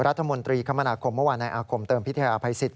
รัฐมนตรีคมนาคมเมื่อวานในอาคมเติมพิทยาภัยสิทธ